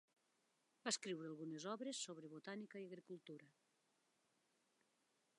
Va escriure algunes obres sobre botànica i agricultura.